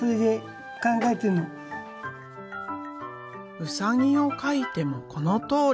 ウサギを描いてもこのとおり。